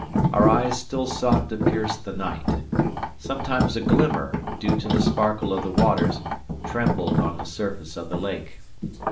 Our eyes still sought to pierce the night. Sometimes a glimmer, due to the sparkle of the waters, trembled on the surface of the lake.